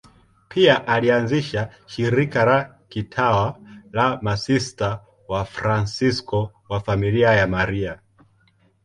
Pia alianzisha shirika la kitawa la Masista Wafransisko wa Familia ya Maria.